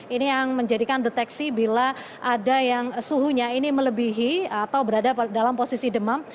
ini yang menjadikan deteksi bila ada yang suhunya ini melebihi atau berada dalam posisi demam